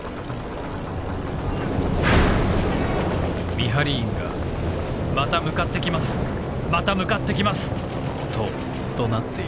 「見張り員がまた向かってきますまた向かってきます！と怒鳴っている。